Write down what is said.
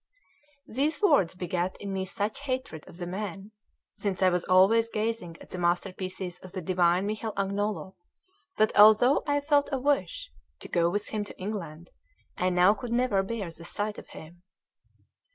These words begat in me such hatred of the man, since I was always gazing at the masterpieces of the divine Michel Agnolo, that although I felt a wish to go with him to England, I now could never bear the sight of him.